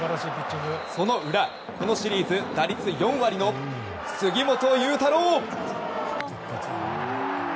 その裏、このシリーズ打率４割の杉本裕太郎。